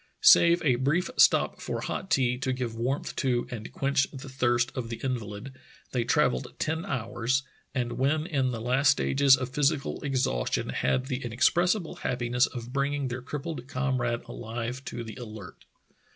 Save a brief stop for hot tea to give warmth to and quench the thirst of the invalid, they travelled ten hours, and when in the last stages of physical ex haustion had the inexpressible happiness of bringing their crippled comrade alive to the Alert.